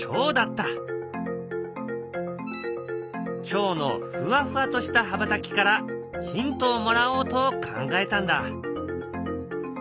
チョウのふわふわとした羽ばたきからヒントをもらおうと考えたんだ。